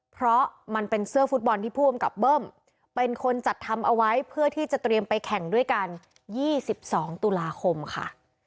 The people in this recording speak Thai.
เพราะมันเป็นเสื้อฟุตบอลที่ผู้อำกับเบิ้มเป็นคนจัดทำเอาไว้เพื่อที่จะเตรียมไปแข่งด้วยกัน๒๒ตุลาคมค่ะ